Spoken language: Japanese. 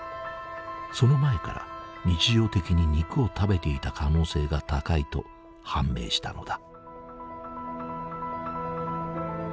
その前から日常的に肉を食べていた可能性が高いと判明したのだ。